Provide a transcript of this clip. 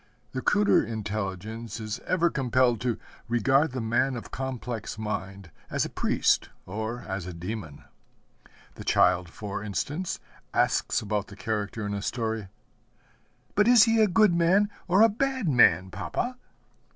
The cruder intelligence is ever compelled to regard the man of complex mind as a priest or as a demon. The child, for instance, asks about the character in a story, 'But is he a good man or a bad man, papa?'